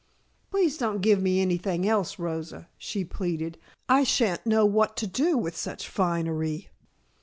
"Please don't give me anything else, Rosa," she pleaded. "I shan't know what to do with such finery."